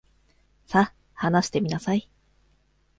さ、話してみなさい。